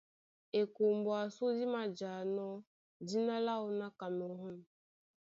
Ekombo ásū dí mājanɔ́ dína láō ná Kamerû.